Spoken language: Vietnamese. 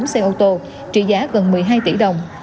một mươi bốn xe ô tô trị giá gần một mươi hai tỷ đồng